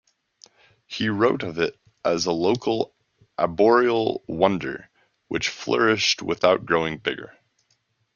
He wrote of it as a local 'arboreal wonder' which 'flourished without growing bigger'.